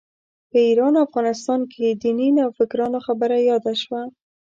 په ایران افغانستان کې دیني نوفکرانو خبره یاده شوه.